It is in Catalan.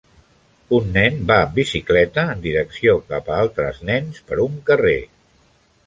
Un nen va en bicicleta en direcció cap a altres nens per un carrer.